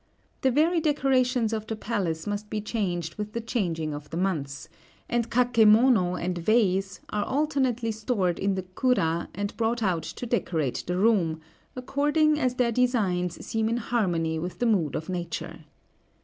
The very decorations of the palace must be changed with the changing of the months; and kakémono and vase are alternately stored in the kura and brought out to decorate the room, according as their designs seem in harmony with the mood of Nature.